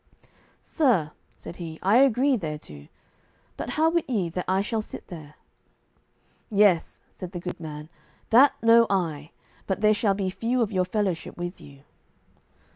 "Sir," said he, "I agree thereto; but how wit ye that I shall sit there?" "Yes," said the good man, "that know I, but there shall be few of your fellowship with you."